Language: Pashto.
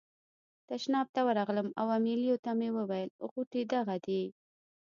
تشناب ته ورغلم او امیلیو ته مې وویل غوټې دغه دي.